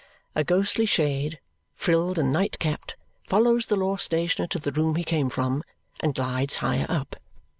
A ghostly shade, frilled and night capped, follows the law stationer to the room he came from and glides higher up.